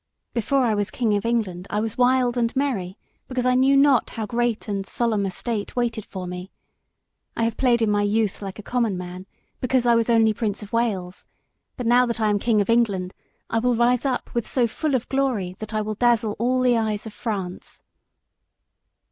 Before I was King of England I was wild and merry because I knew not how great and solemn a state waited for me. I have played in my youth like a common man because I was only Prince of Wales; but now that I am King of England I will rise up with so full of glory that I will dazzle all the eyes of France."